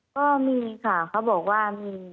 ก็มีค่ะเขาบอกว่ามี